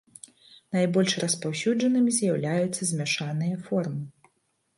Найбольш распаўсюджанымі з'яўляюцца змяшаныя формы.